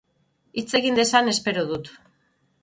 Hitz egin dezan espero dut.